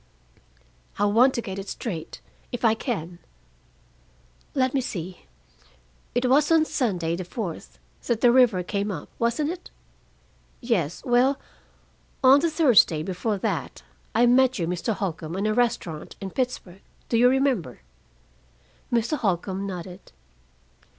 "I want to get it straight, if I can. Let me see. It was on Sunday, the fourth, that the river came up, wasn't it? Yes. Well, on the Thursday before that I met you, Mr. Holcombe, in a restaurant in Pittsburgh. Do you remember?" Mr. Holcombe nodded.